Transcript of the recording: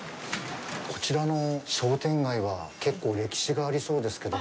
こちらの商店街は、結構歴史がありそうですけども。